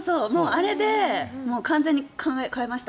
あれで完全に考えを変えました。